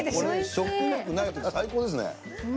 食欲ないとき、最高ですね。